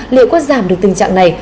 liệu có giảm được tình trạng này